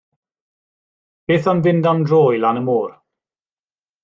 Beth am fynd am dro i lan y môr.